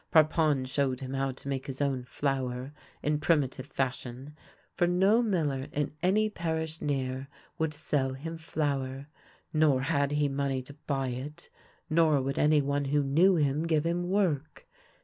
Parpon showed him how to make his own flour in primitive fashion, for no miller in any parish near would sell him flour, nor had he money to buy it, nor would any one who knew him give him work.